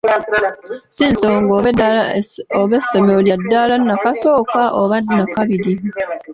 Si nsonga oba essomero lya ddaala nnakasooka oba ddaala nnakabirye.